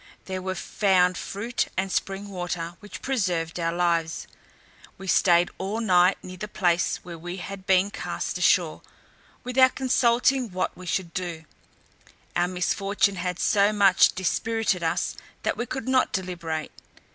There we found fruit and spring water, which preserved our lives. We staid all night near the place where we had been cast ashore, without consulting what we should do; our misfortune had so much dispirited us that we could not deliberate.